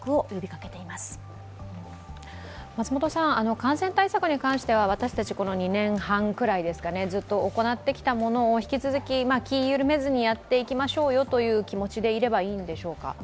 感染対策に関しては、私たちこの２年半ぐらいずっと行ってきたものを引き続き、気を緩めずにやっていきましょういう気持ちでやっていけばいいんでしょうか。